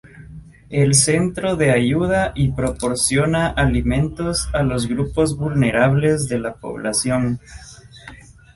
El centro de ayuda y proporciona alimentos a los grupos vulnerables de la población.